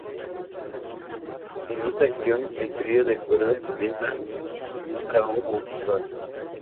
En esta acción el trío de cuerdas comienza otra obra musical.